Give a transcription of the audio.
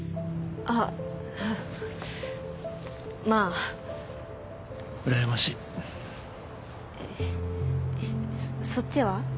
あっまあ羨ましいえっそっちは？